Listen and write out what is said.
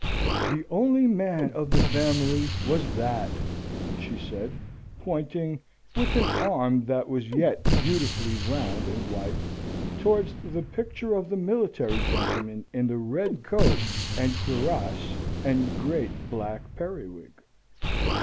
"The only man of the family was that," she said, pointing (with an arm that was yet beautifully round and white) towards the picture of the military gentleman in the red coat and cuirass, and great black periwig.